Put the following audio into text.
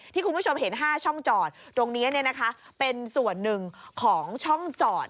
ที่คุณผู้ชมเห็น๕ช่องจอดตรงนี้เป็นส่วนหนึ่งของช่องจอด